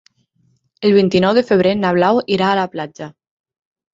El vint-i-nou de febrer na Blau irà a la platja.